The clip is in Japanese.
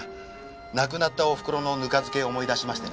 亡くなったおふくろのぬか漬けを思い出しましてね。